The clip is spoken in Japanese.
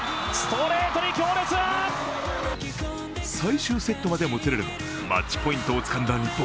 最終セットまでもつれるもマッチポイントをつかんだ日本。